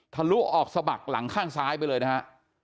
ลุออกสะบักหลังข้างซ้ายไปเลยนะฮะ